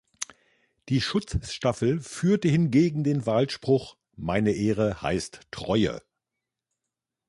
Die Schutzstaffel führte hingegen den Wahlspruch "Meine Ehre heißt Treue".